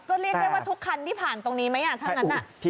ก็เรียกได้ว่าทุกคันที่ผ่านตรงนี้ไหมถ้างั้น